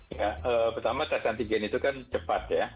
ya pertama tes antigen itu kan cepat ya